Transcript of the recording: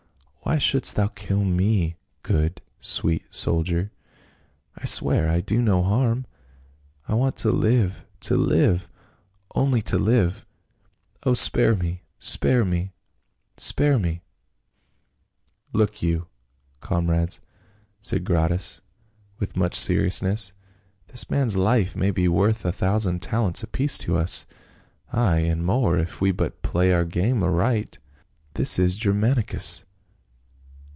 " Why shouldst thou kill me, good, sweet soldier ? I swear I do no harm ! I want to live — ^to live — only to live ! Oh, spare me — spare me — spare me !"" Look you, comrades," said Gratus with much seriousness ;" this man's life may be worth a thousand talents apiece to us. Ay, and more, if we but play our game aright. This is Gcrmanicus."